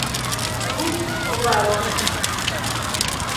Ĉu kvarono?